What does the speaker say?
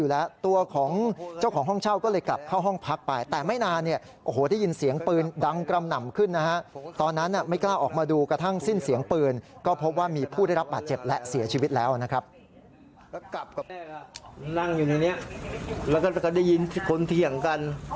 แล้วนะครับก็กลับกับนั่งอยู่ในนี้แล้วก็ก็ได้ยินคนเถียงกัน